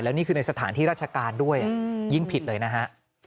นี่คือในสถานที่ราชการด้วยยิ่งผิดเลยนะฮะ